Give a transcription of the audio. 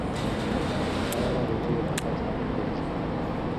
حلاله روزي د برکت لامل ګرځي.